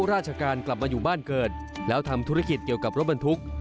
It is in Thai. ราชการกลับมาอยู่บ้านเกิดแล้วทำธุรกิจเกี่ยวกับรถบรรทุก